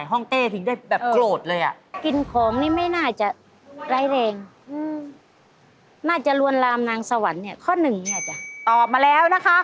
ตอบมาแล้วนะคะ